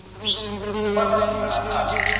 วัดพระศรีมหาธาตุ